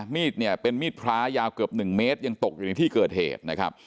มีดเนี่ยเป็นมีดพระยาวเกือบ๑เมตรยังตกอยู่ในที่เกิดเหตุนะครับ